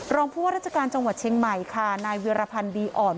รองผู้ว่าราชการจังหวัดเชียงใหม่ค่ะนายเวียรพันธ์ดีอ่อน